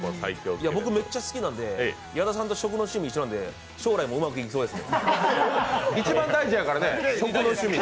僕、めっちゃ好きなんで矢田さんと食の趣味が一緒なんで将来もうまくいきそうですね。